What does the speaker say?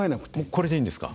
これでいいんですか？